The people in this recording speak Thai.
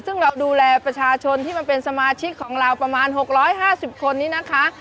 ซึ่งเราดูแลประชาชนที่มันเป็นสมาชิกของเราประมาณ๖๕๐คนนี้นะคะ